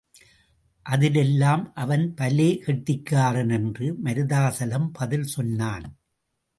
அதிலெல்லாம் அவன் பலே கெட்டிக்காரன் என்று மருதாசலம் பதில் சொன்னான்.